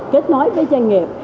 kết nối với doanh nghiệp